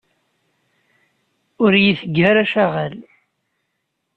Ur iyi-teg ara acaɣal.